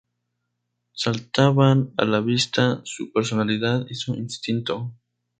Saltaban a la vista su personalidad y su instinto.